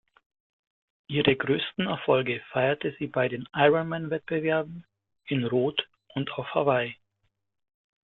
Ihre größten Erfolge feierte sie bei den Ironman-Wettbewerben in Roth und auf Hawaii.